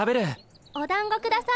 おだんご下さい。